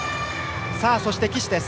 そして岸です。